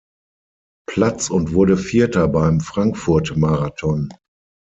Platz und wurde Vierter beim Frankfurt-Marathon.